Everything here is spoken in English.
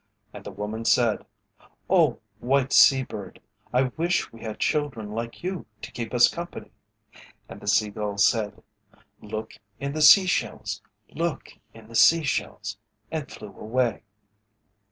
And the woman said, "Oh, white sea bird, I wish we had children like you to keep us company." And the Sea gull said, "Look in the sea shells; look in the sea shells," and flew away.